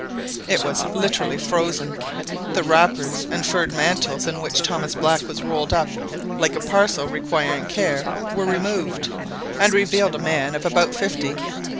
It was literally frozen. The wrappers and furred mantles, in which Thomas Black was rolled up like a parcel requiring care, were removed, and revealed a man of about fifty.